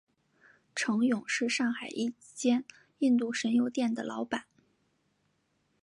程勇是上海一间印度神油店的老板。